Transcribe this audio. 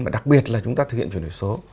và đặc biệt là chúng ta thực hiện chuyển đổi số